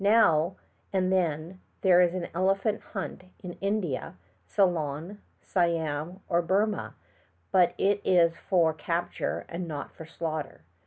Now and then there is an elephant hunt in India, Ceylon, Siam or Burmah, but it is for eapture and not for slaughter.